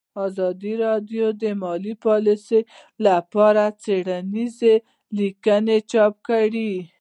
ازادي راډیو د مالي پالیسي په اړه څېړنیزې لیکنې چاپ کړي.